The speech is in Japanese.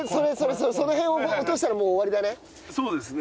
その辺を落としたらもう終わりだね。